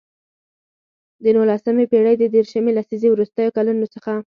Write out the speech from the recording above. د نولسمې پېړۍ د دیرشمې لسیزې وروستیو کلونو څخه.